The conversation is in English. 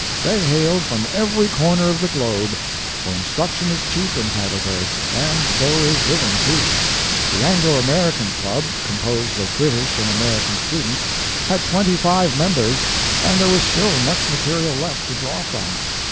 They hailed from every corner of the globe for instruction is cheap in Heidelberg, and so is living, too. The Anglo American Club, composed of British and American students, had twenty five members, and there was still much material left to draw from.